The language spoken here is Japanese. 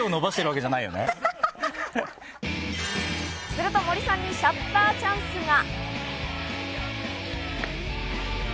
すると森さんにシャッターチャンスが。